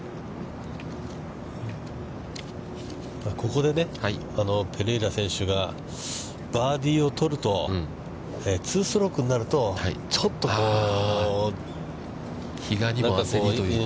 ここでね、ペレイラ選手がバーディーを取ると、２ストロークになるとちょっとこう。